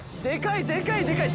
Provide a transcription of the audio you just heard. でかいでかい！